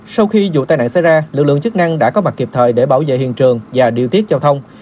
sau khi vụ tai nạn xảy ra lực lượng chức năng đã có mặt kịp thời để bảo vệ hiện trường và điều tiết giao thông